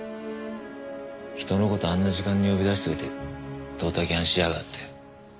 人の事あんな時間に呼び出しといてドタキャンしやがって。